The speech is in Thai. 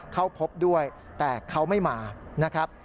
เข้าพบด้วยแต่เขาไม่มานะครับ